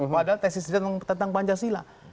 padahal tesisnya tentang pancasila